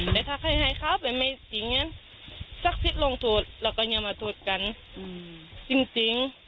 แต่ถ้าใครให้เขาไปไม่จริงสักสิทธิ์ลงโทษเราก็อย่ามาโทษกันจริง